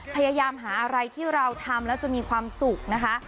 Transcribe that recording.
พยายามหาอะไรที่เราทำแล้วจะมีความสุขนะคะ